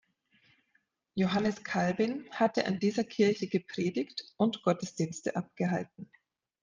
Johannes Calvin hatte an dieser Kirche gepredigt und Gottesdienste abgehalten.